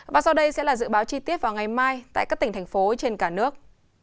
và sau đây sẽ là dự báo chi tiết vào ngày mai tại các tỉnh thành phố trên cả nước